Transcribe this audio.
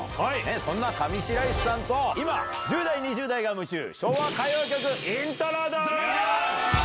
そんな上白石さんと、今、１０代、２０代が夢中、昭和歌謡曲イント